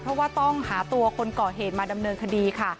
เพราะว่าต้องหาตัวคนก่อเหตุมาดำเนินคดีค่ะ